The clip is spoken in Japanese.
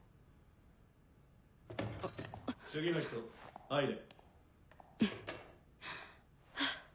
次の人入れ。